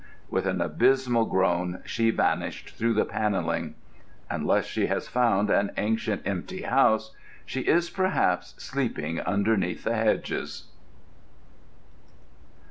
With an abysmal groan she vanished through the panelling. Unless she has found an ancient, empty house, she is perhaps sleeping underneath the hedges.